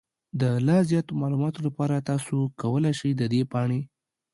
د لا زیاتو معلوماتو لپاره، تاسو کولی شئ د دې پاڼې